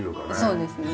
そうですね。